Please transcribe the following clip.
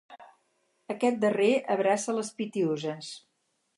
Aquest darrer abraça les Pitiüses.